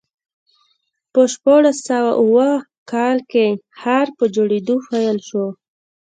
په شپاړس سوه اووه کال کې ښار په جوړېدو پیل شو.